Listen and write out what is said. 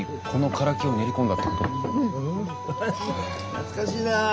懐かしいなぁ。